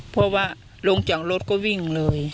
เพราะว่าลงจากรถก็วิ่งเลย